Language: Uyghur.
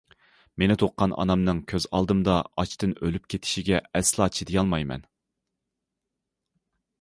مېنى تۇغقان ئانامنىڭ كۆز ئالدىمدا ئاچتىن ئۆلۈپ كېتىشىگە ئەسلا چىدىيالمايمەن.